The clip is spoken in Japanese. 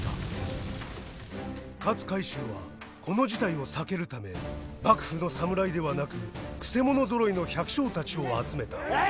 勝海舟はこの事態を避けるため幕府の侍ではなくくせ者ぞろいの百姓たちを集めた。